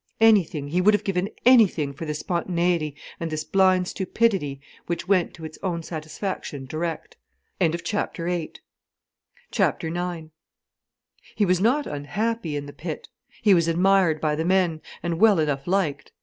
Anything, he would have given anything for this spontaneity and this blind stupidity which went to its own satisfaction direct. IX He was not unhappy in the pit. He was admired by the men, and well enough liked.